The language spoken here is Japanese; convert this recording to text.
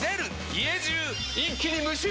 家中一気に無臭化！